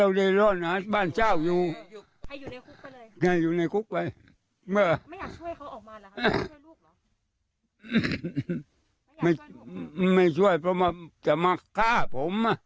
เพราะว่าจะมาฆ่าผมอะ